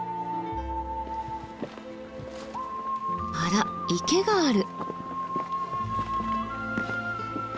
あらっ池がある。